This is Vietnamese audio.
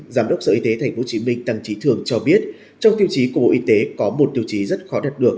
giám đốc sở y tế tp hcm tăng trí thường cho biết trong tiêu chí của bộ y tế có một tiêu chí rất khó đạt được